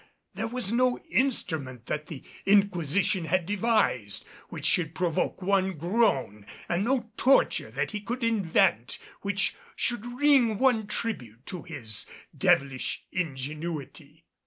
There was no instrument that the Inquisition had devised which should provoke one groan, and no torture that he could invent which should wring one tribute to his devilish ingenuity.